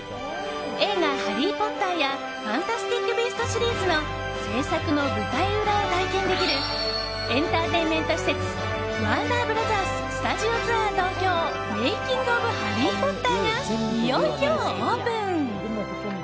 映画「ハリー・ポッター」や「ファンタスティック・ビースト」シリーズの制作の舞台裏を体験できるエンターテインメント施設ワーナー・ブラザーススタジオツアー東京メイキング・オブ・ハリー・ポッターがいよいよオープン。